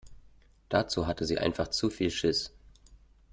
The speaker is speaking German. Dazu hatte sie einfach zu viel Schiss.